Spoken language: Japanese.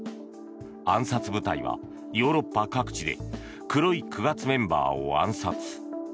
暗殺部隊はヨーロッパ各地で黒い九月メンバーを暗殺。